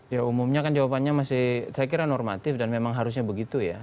ya umumnya kan jawabannya masih saya kira normatif dan memang harusnya begitu ya